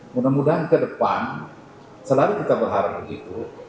mudah mudahan ke depan selalu kita berharap begitu